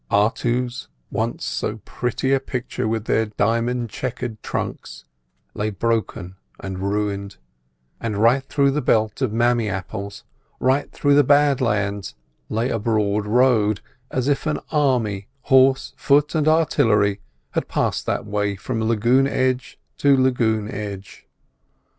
Artus, once so pretty a picture with their diamond chequered trunks, lay broken and ruined; and right through the belt of mammee apple, right through the bad lands, lay a broad road, as if an army, horse, foot, and artillery, had passed that way from lagoon edge to lagoon edge.